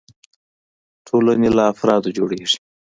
ټولنې له افرادو جوړيږي.